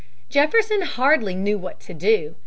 Jefferson hardly knew what to do.